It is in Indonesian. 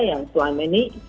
yang suami ini